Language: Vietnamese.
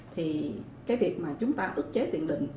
thì việc chúng ta ước chế tiền đình